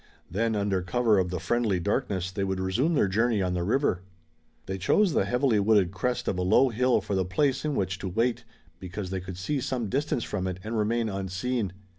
Then under cover of the friendly darkness they would resume their journey on the river. They chose the heavily wooded crest of a low hill for the place in which to wait, because they could see some distance from it and remain unseen.